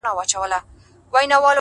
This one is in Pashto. خو اوس د اوښكو سپين ځنځير پر مخ گنډلی،